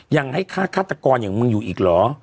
ยังให้ฆ่าฆาตกรอย่างมึงอยู่อีกเหรอ